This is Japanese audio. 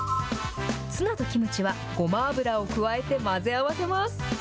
ツナとキムチはごま油を加えて混ぜ合わせます。